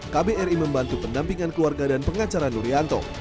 kbri membantu pendampingan keluarga dan pengacara nurianto